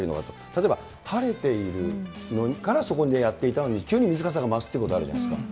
例えば、晴れているからそこでやっていたのに急に水かさが増すということがあるじゃないですか。